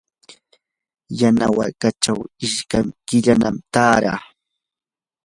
yanawankachaw isqun killanam taaraa.